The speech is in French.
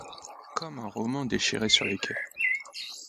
Comme un roman déchiré sur les quais